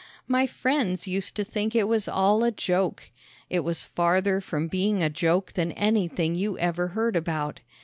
My friends used to think it was all a joke. It was farther from being a joke than anything you ever heard about.